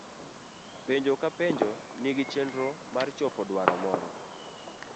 Penjo ka penjo nigi chenro mar chopo dwaro moro.